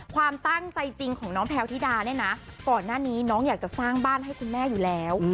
ความตั้งใจจริงของน้องแพลวธิดาเนี่ยนะก่อนหน้านี้น้องอยากจะสร้างบ้านให้คุณแม่อยู่แล้ว